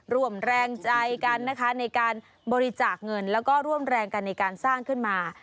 ร่วมแรงใจกันนะคะในการบริจาคเงินแล้วก็ร่วมแรงกันในการสร้างขึ้นมา